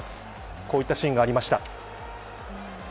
こういったシーンがありました。